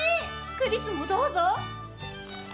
クリスもどうぞ。